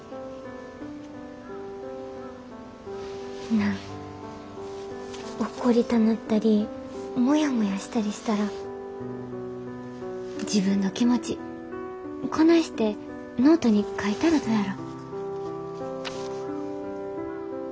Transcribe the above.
なあ怒りたなったりモヤモヤしたりしたら自分の気持ちこないしてノートに書いたらどやろ？